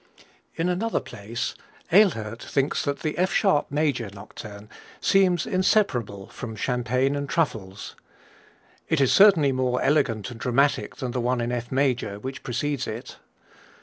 In another place Ehlert thinks that the F sharp major Nocturne seems inseparable from champagne and truffles. It is certainly more elegant and dramatic than the one in F major, which precedes it.